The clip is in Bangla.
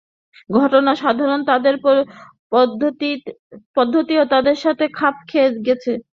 ঘটনা সাধারণ, তাদের পদ্ধতিও তার সাথে খাপ খেয়ে গেছে।